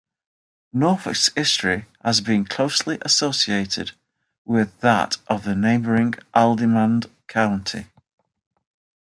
Norfolk's history has been closely associated with that of the neighbouring Haldimand County.